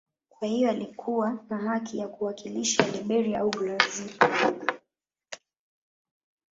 Kwa hiyo alikuwa na haki ya kuwakilisha Liberia au Brazil.